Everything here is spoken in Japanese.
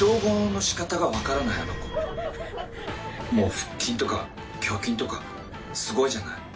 腹筋とか胸筋とかすごいじゃない。